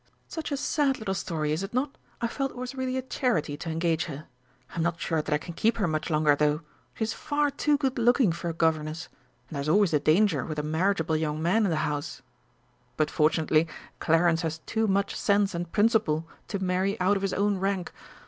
Such a sad little story, is it not? I felt it was really a charity to engage her. I'm not sure that I can keep her much longer, though. She's far too good looking for a governess, and there's always a danger with a marriageable young man in the house, but fortunately Clarence has too much sense and principle to marry out of his own rank.